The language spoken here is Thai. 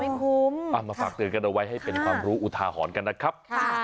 คุ้มมาฝากเตือนกันเอาไว้ให้เป็นความรู้อุทาหรณ์กันนะครับ